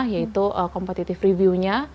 yaitu kompetitif reviewnya